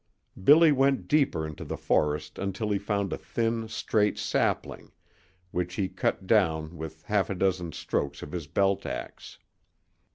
Billy went deeper into the forest until he found a thin, straight sapling, which he cut down with half a dozen strokes of his belt ax.